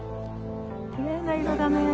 きれいな色だね。